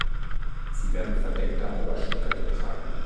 Sie werden verdeckt am Oberschenkel getragen.